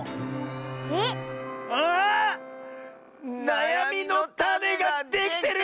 なやみのタネができてる！